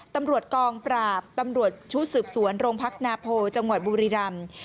ตำรวจกองปราบตำรวจชุดสืบสวนโรงพักนาโพจังหวัดบุรีรำ